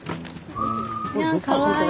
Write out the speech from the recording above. いやんかわいい。